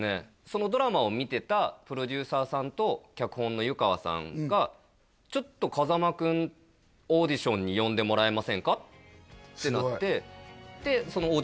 そのドラマを見てたプロデューサーさんと脚本の遊川さんが「ちょっと風間君」「オーディションに呼んでもらえませんか？」ってなってそのオーディション受けさせてもらえることになって